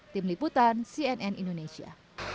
tim liputan cnn indonesia